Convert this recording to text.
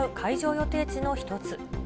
予定地の一つ。